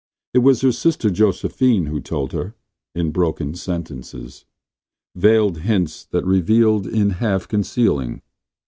It was her sister Josephine who told her, in broken sentences; veiled hints that revealed in half concealing.